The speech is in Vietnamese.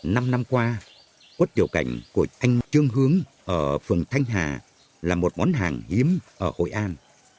năm năm qua quất tiểu cảnh của anh trương hướng ở phường thanh hà là một món hàng hiếm ở hội an